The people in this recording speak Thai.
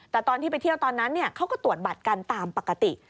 แต่ตอนที่ไปเที่ยวตอนนั้นเขาก็ตรวจบัตรกันตามปกติ